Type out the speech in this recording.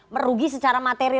merugi secara materi